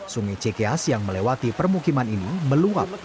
sungai cks yang melewati permukiman ini meluap